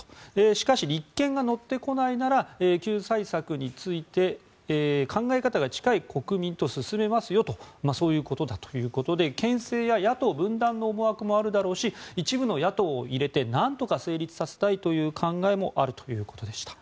しかし、立憲が乗ってこないなら救済策について考え方が近い国民と進めますよとそういうことだということでけん制や野党分断の思惑もあるだろうし一部の野党を入れてなんとか成立させたいという考えもあるということでした。